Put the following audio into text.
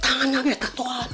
tangan aku tatuan